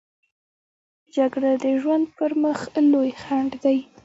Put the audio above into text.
جګړه د ژوند پر مخ لوی خنډ دی